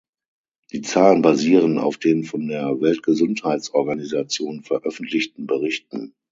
Die Zahlen basieren auf den von der Weltgesundheitsorganisation veröffentlichten Berichten.